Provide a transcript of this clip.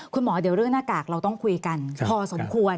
คุณหมอเดี๋ยวเรื่องหน้ากากเราต้องคุยกันพอสมควร